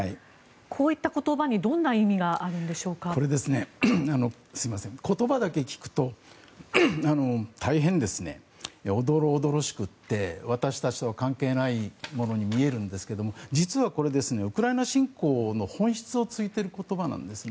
こういった言葉に言葉だけ聞くと大変おどろおどろしくて私たちは関係ないものに見えるんですが実はこれ、ウクライナ侵攻の本質を突いている言葉なんです。